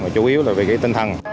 chủ yếu là về tinh thần